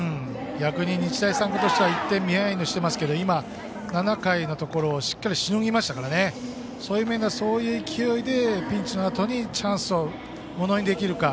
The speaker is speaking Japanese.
逆に日大三高としては１点ビハインドしていますが７回をしっかりしのぎましたからそういう面では、その勢いでピンチのあとにチャンスをものにできるか。